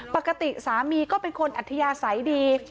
ปกติสามีก็เป็นคนอัธยาศัยดี